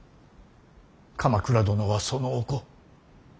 鎌倉殿はそのお子。